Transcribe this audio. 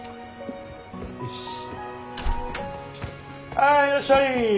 はーいいらっしゃい！